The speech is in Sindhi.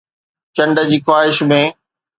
چنڊ جي خواهش ۾